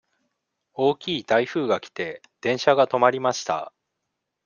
大きい台風が来て、電車が止まりました。